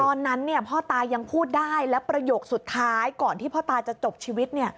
ตอนนั้นพ่อตายังพูดได้แล้วประโยคสุดท้ายก่อนที่พ่อตาจะจบชีวิต